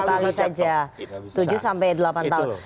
dua kali saja tujuh sampai delapan tahun